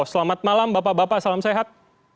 selamat malam bapak bapak salam sehat